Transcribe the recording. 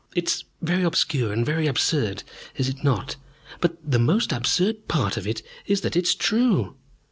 It is very obscure and very absurd, is it not? But the most absurd part of it is that it is true.